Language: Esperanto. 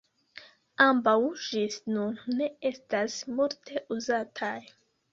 Ambaŭ ĝis nun ne estas multe uzataj.